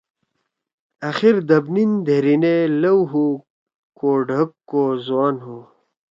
آخیر دب نِین دھیرِینے۔ لؤ ہُو کو ڈھگ کو زوان ہُو۔